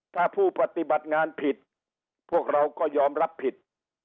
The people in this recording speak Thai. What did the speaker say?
ถ้าผู้ปฏิบัติงานผิดพวกเราก็ยอมรับผิด